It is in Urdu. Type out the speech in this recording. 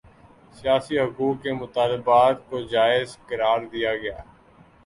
سیاسی حقوق کے مطالبات کوجائز قرار دیا گیا